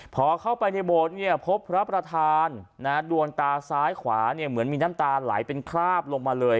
พอเข้าไปในโบสถ์เนี่ยพบพระประธานดวงตาซ้ายขวาเหมือนมีน้ำตาไหลเป็นคราบลงมาเลย